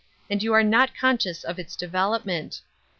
and you are not conscious of its development.